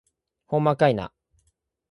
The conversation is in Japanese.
ほんまかいな